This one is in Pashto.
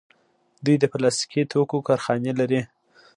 دوی د پلاستیکي توکو کارخانې لري.